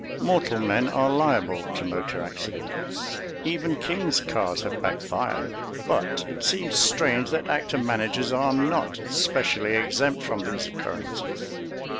Mortal men are liable to motor accidents; even king's cars have backfired; but it seems strange that actor managers are not specially exempt from these occurrences.